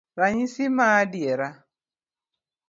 Ranyisi maadiera